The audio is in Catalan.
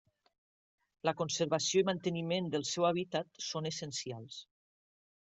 La conservació i manteniment del seu hàbitat són essencials.